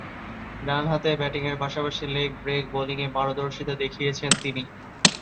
ডানহাতে ব্যাটিংয়ের পাশাপাশি লেগ ব্রেক বোলিংয়ে পারদর্শিতা দেখিয়েছেন তিনি।